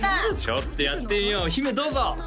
ちょっとやってみよう姫どうぞ！